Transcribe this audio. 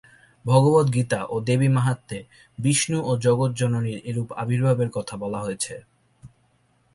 ভগবদ্গীতা ও দেবীমাহাত্ম্যে বিষ্ণু ও জগজ্জননীর এরূপ আবির্ভাবের কথা বলা হয়েছে।